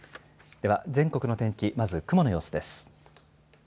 では全国の天気、まず雲の様子です。